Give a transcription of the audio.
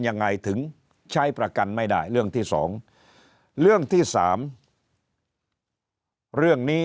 ยังไงถึงใช้ประกันไม่ได้เรื่องที่สองเรื่องที่สามเรื่องนี้